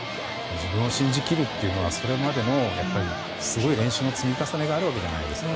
自分を信じ切るというのはそれまでの練習の積み重ねがあるわけじゃないですか。